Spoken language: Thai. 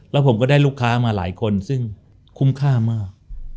แล้วผมก็ได้ลูกค้ามาหลายคนซึ่งคุ้มค่ามาก